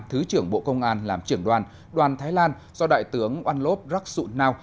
thứ trưởng bộ công an làm trưởng đoàn đoàn thái lan do đại tướng oan lop raksunao